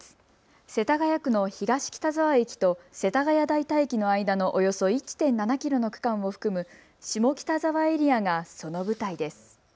世田谷区の東北沢駅と世田谷代田駅の間のおよそ１．７キロの区間を含む下北沢エリアがその舞台です。